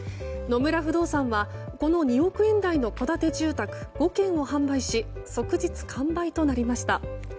野村不動産はこの２億円台の戸建て住宅５軒を販売し即日完売となりました。